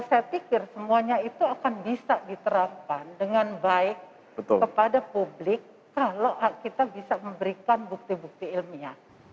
saya pikir semuanya itu akan bisa diterapkan dengan baik kepada publik kalau kita bisa memberikan bukti bukti ilmiah